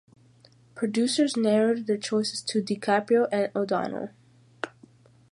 Producers narrowed their choices to DiCaprio and O'Donnell.